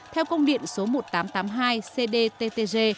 theo công điện số một nghìn tám trăm tám mươi hai cdttg